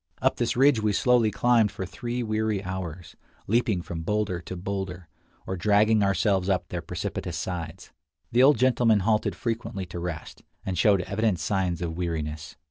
Up this ridge we slowly climbed for three weary hours, leaping from boulder to boulder, or dragging ourselves up their precipitous sides. The old gentleman halted frequently to rest, and showed evident signs of weariness.